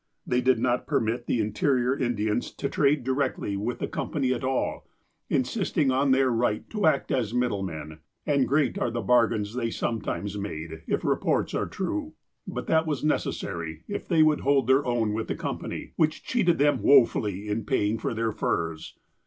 They did not permit the interior Indians to trade directly 66 MODE OF LIVING 67 with the company at all, insisting on their right to act as middlemen, and great are the bargains they sometimes made, if reports are true. But that was necessary if they would hold their own with the company, which cheated them wofully in paying for their furs.